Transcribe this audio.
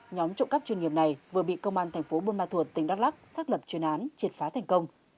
nhóm trộm cắp chuyên nghiệp này vừa bị công an tp bương ma thuột tỉnh đắk lóc xác lập chuyên án triệt phá thành công